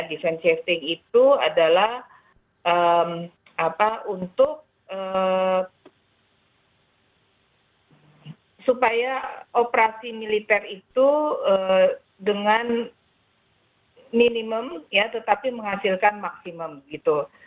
defensifting itu adalah untuk supaya operasi militer itu dengan minimum ya tetapi menghasilkan maksimum gitu